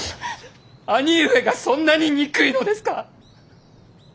兄上がそんなに憎いのですか。